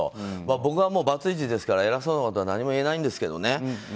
僕はもうバツイチですから偉そうなことは何も言えないんですけどね。